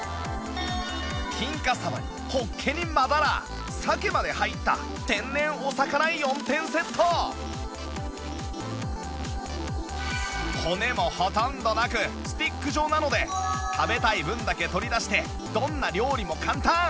金華さばにほっけに真だら鮭まで入った天然お魚４点セット骨もほとんどなくスティック状なので食べたい分だけ取り出してどんな料理も簡単！